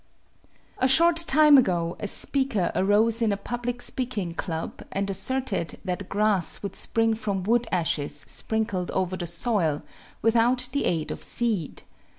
A short time ago a speaker arose in a public speaking club and asserted that grass would spring from wood ashes sprinkled over the soil, without the aid of seed.